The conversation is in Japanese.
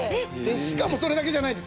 しかもそれだけじゃないです。